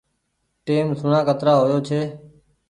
ٽيم سوڻا ڪترا هويو ڇي